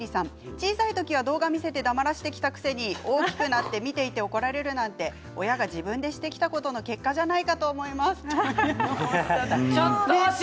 小さい時は動画を見せて黙らせてきたくせに大きくなって見ていて怒られるなんて親が自分でしてきたことの結果じゃないかと思いますということです。